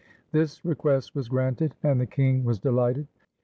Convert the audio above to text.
This request was granted, and the king was delighted.